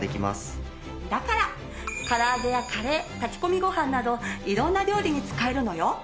だから唐揚げやカレー炊き込みご飯など色んな料理に使えるのよ。